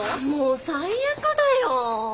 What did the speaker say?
もう最悪だよ。